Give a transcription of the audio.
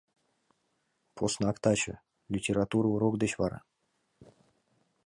Поснак таче, литература урок деч вара.